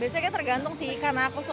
sebulan sekali berapa berapa